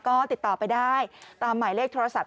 ก็ติดต่อไปได้ตามหมายเลขโทรศัพท์